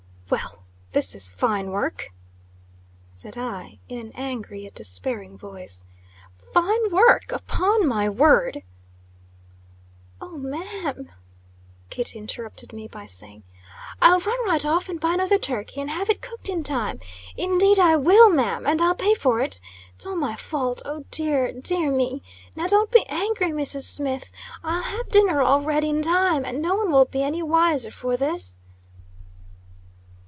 "Well! this is fine work!" said I, in an angry, yet despairing voice. "Fine work, upon my word!" "Oh, ma'am!" Kitty interrupted me by saying, "I'll run right off and buy another turkey, and have it cooked in time. Indeed I will, ma'am! And I'll pay for it. It's all my fault! oh dear! dear me! Now don't be angry, Mrs. Smith! I'll have dinner all ready in time, and no one will be any the wiser for this."